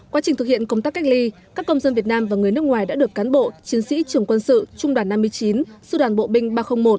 quá trình thực hiện công tác cách ly các công dân việt nam và người nước ngoài đã được cán bộ chiến sĩ trường quân sự trung đoàn năm mươi chín sư đoàn bộ binh ba trăm linh một